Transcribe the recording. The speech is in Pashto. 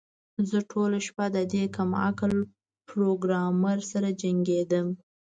زه ټوله شپه د دې کم عقل پروګرامر سره جنګیدم